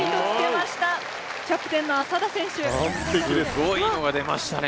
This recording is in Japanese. すごいのが出ましたね